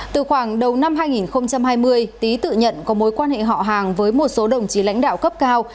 từ khoảng đầu năm hai nghìn hai mươi tý tự nhận có mối quan hệ họ hàng với một số đồng chí lãnh đạo cấp cao